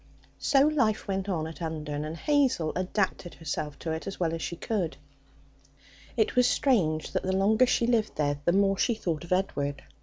So life went on at Undern, and Hazel adapted herself to it as well as she could. It was strange that the longer she lived there the more she thought of Edward.